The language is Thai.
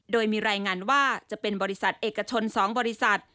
โดยมีรายงานว่าจะเป็นบริษัทเอกชน๒บริษัท